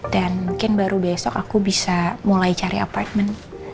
dan mungkin baru besok aku bisa mulai cari apartemen